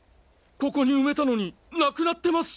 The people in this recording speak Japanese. ここに埋めたのになくなってます！